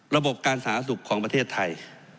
ระบบการสาธารณสุขของประเทศไทย